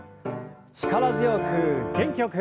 力強く元気よく。